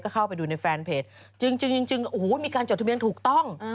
เข้าไปดูในแฟนเพจจริงโอ้โหมีการจดทะเบียนถูกต้อง